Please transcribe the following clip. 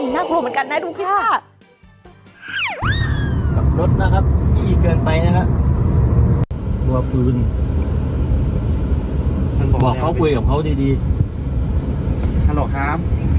น่ากลัวเหมือนกันนะดูคลิปค่ะ